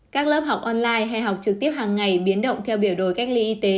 các lớp học online hay học trực tiếp hàng ngày biến động theo biểu đồ cách ly y tế